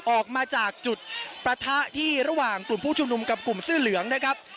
ออกมาจากจุดประทะที่ระหว่างกลุ่มผู้ชุมนุมกับกลุ่มเสื้อเหลืองนะครับ